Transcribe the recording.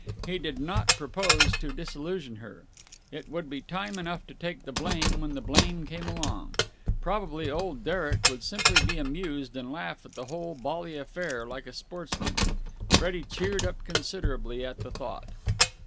He did not propose to disillusion her. It would be time enough to take the blame when the blame came along. Probably old Derek would simply be amused and laugh at the whole bally affair like a sportsman. Freddie cheered up considerably at the thought.